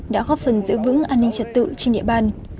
đã góp phần giữ vững an ninh trật tự trên địa bàn